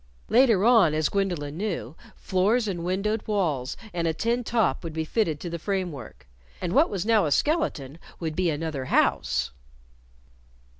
Later on, as Gwendolyn knew, floors and windowed walls and a tin top would be fitted to the framework. And what was now a skeleton would be another house!